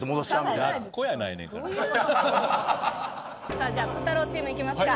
さあじゃあコタローチームいきますか。